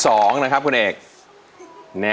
สวัสดีครับสวัสดีครับ